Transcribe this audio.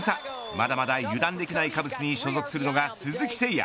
まだまだ油断できないカブスに所属するのが鈴木誠也。